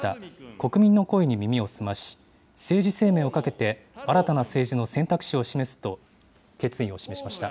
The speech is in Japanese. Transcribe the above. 国民の声に耳を澄まし、政治生命を懸けて新たな政治の選択肢を示すと決意を示しました。